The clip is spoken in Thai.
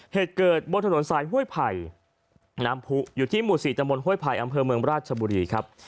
เหตุเกิดบนถนนสายห้วยไผ่น้ำผู้อยู่ที่หมู่๔ตมห้วยไผ่อำเภอเมืองราชบุรีครับ